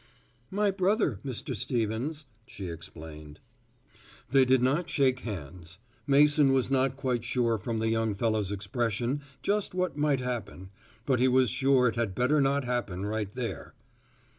"My brother, Mr. Stevens," she explained. They did not shake hands. Mason was not quite sure from the young fellow's expression just what might happen, but he was sure it had better not happen right there.